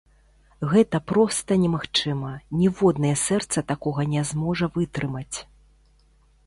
Гэта проста немагчыма, ніводнае сэрца такога не зможа вытрымаць.